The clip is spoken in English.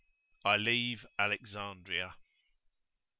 I LEAVE ALEXANDRIA.